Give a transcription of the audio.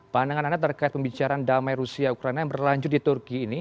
pandangan anda terkait pembicaraan damai rusia ukraina yang berlanjut di turki ini